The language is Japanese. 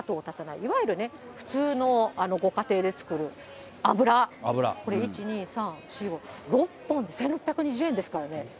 いわゆる普通のご家庭で使う油、これ、１、２、３、４、５、６本で１６２０円ですからね。